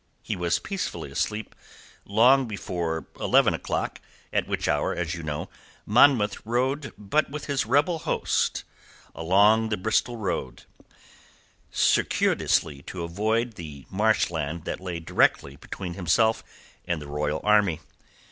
He was peacefully asleep long before eleven o'clock, at which hour, as you know, Monmouth rode but with his rebel host along the Bristol Road, circuitously to avoid the marshland that lay directly between himself and the Royal Army.